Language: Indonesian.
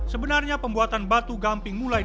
sebenarnya pembuatan plastik itu adalah perubahan